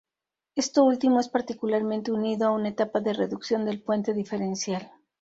Esto último es particularmente unido a una etapa de reducción del puente diferencial.